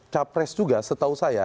capres juga setahu saya